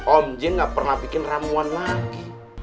om j gak pernah bikin ramuan lagi